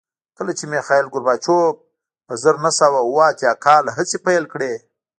کله چې میخایل ګورباچوف په زر نه سوه اووه اتیا کال هڅې پیل کړې